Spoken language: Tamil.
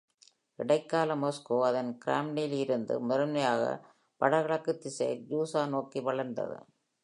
இடைக்கால மாஸ்கோ அதன் கிரெம்ளினிலிருந்து முதன்மையாக வடகிழக்கு திசையில், யூசா நோக்கி வளர்ந்தது.